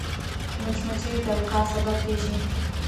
مچمچۍ د القاح سبب کېږي